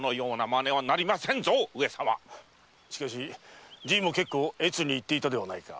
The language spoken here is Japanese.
しかしじいも結構悦に入っていたではないか。